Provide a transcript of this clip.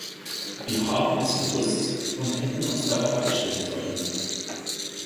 Wir haben es gewusst und hätten uns darauf einstellen sollen.